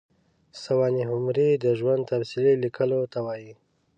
سوانح عمري د ژوند تفصیلي لیکلو ته وايي.